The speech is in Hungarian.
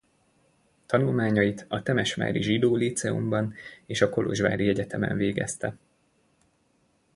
Tanulmányait a temesvári Zsidó Líceumban és a kolozsvári egyetemen végezte.